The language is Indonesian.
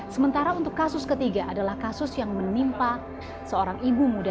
sementara untuk kasus ketiga adalah kasus yang menimpa seorang ibu muda